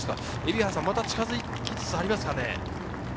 また近づきつつありますか？